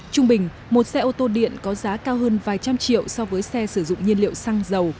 trung bình một xe ô tô điện có giá cao hơn vài trăm triệu so với xe sử dụng nhiên liệu xăng dầu